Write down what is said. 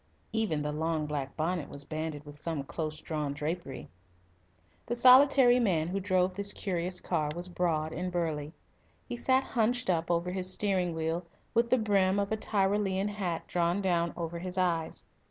Even the long black bonnet was banded with some close drawn drapery. The solitary man who drove this curious car was broad and burly. He sat hunched up over his steering wheel, with the brim of a Tyrolean hat drawn down over his eyes.